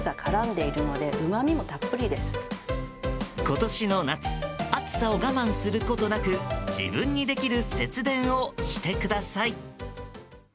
今年の夏暑さを我慢することなく自分にできる節電をしてください。